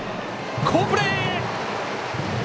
好プレー！